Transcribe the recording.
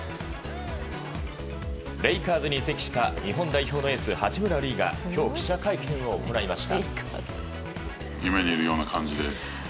レイカーズに移籍した日本代表のエース、八村塁が今日、記者会見を行いました。